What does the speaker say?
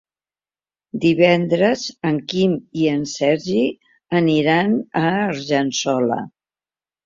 Divendres en Quim i en Sergi aniran a Argençola.